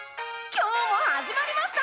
「今日も始まりました！